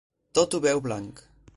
Tot ho veu blanc.